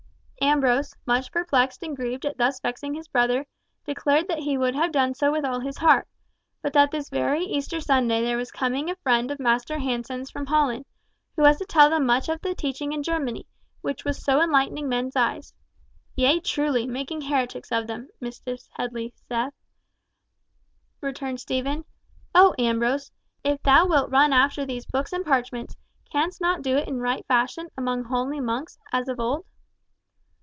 Ambrose, much perplexed and grieved at thus vexing his brother, declared that he would have done so with all his heart, but that this very Easter Sunday there was coming a friend of Master Hansen's from Holland; who was to tell them much of the teaching in Germany, which was so enlightening men's eyes. "Yea, truly, making heretics of them, Mistress Headley saith," returned Stephen. "O Ambrose, if thou wilt run after these books and parchments, canst not do it in right fashion, among holy monks, as of old?"